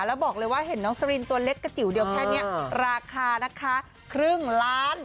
แล้วบอกเลยว่าเห็นน้องสรินตัวเล็กกระจิ๋วเดียวแค่นี้ราคานะคะครึ่งล้าน